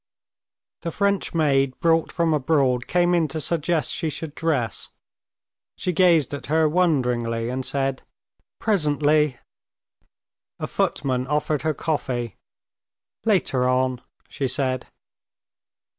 The French maid brought from abroad came in to suggest she should dress. She gazed at her wonderingly and said, "Presently." A footman offered her coffee. "Later on," she said.